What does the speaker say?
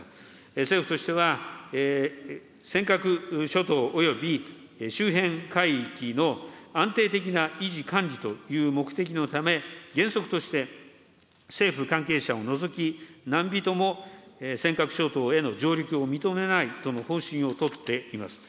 政府としては、尖閣諸島および周辺海域の安定的な維持管理という目的のため、原則として、政府関係者を除き、何人も尖閣諸島への上陸を認めないとの方針を取っています。